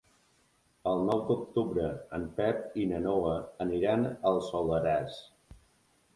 El nou d'octubre en Pep i na Noa aniran al Soleràs.